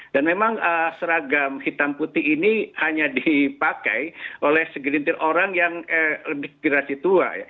dan memang seragam hitam putih ini hanya dipakai oleh segelintir orang yang lebih kerasi tua